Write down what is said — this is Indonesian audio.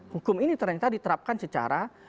hukum ini ternyata diterapkan secara